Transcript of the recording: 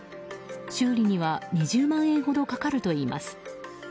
修理には２０万円ほどかかるといいます。